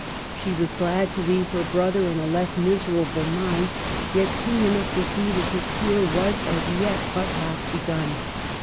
She was glad to leave her brother in a less mis erable mind, yet keen enough to see that his cure was as yet but half begun.